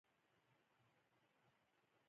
د نصاب بدلونونه ستونزې جوړوي.